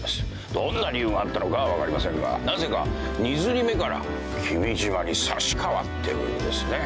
どんな理由があったのかは分かりませんがなぜか２刷り目から「君島」に差し替わってるんですね。